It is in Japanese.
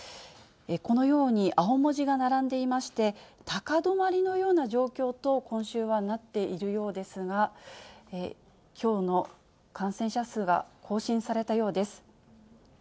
このように、青文字が並んでいまして、高止まりのような状況と、今週はなっているようですが、きょうの感染者数が更新されたようです。